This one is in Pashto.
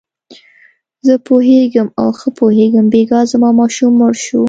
زه پوهېږم او ښه پوهېږم، بېګا زما ماشوم مړ شو.